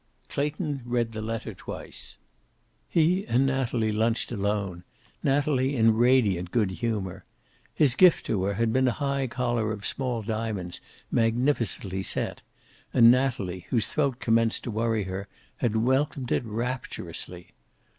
Clayton read the letter twice. He and Natalie lunched alone, Natalie in radiant good humor. His gift to her had been a high collar of small diamonds magnificently set, and Natalie, whose throat commenced to worry her, had welcomed it rapturously.